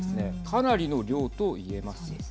かなりの量といえます。